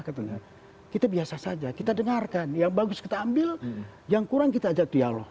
kita biasa saja kita dengarkan yang bagus kita ambil yang kurang kita ajak dialog